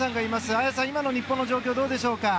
綾さん、今の日本の状況はどうでしょうか。